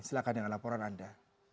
silahkan dengan laporan anda